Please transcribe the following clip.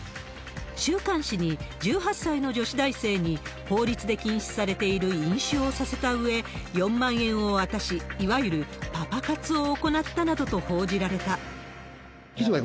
週刊誌に、１８歳の女子大生に、法律で禁止されている飲酒をさせたうえ、４万円を渡し、いわゆるパパ活を行ったなどと報じられた。